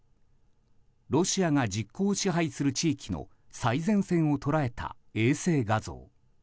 ロシアが実効支配する地域の最前線を捉えた衛星画像。